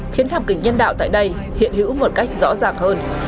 khiến thạp kịch nhân đạo tại đây hiện hữu một cách rõ rạc hơn